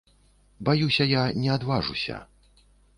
Баюся я, не адважуся.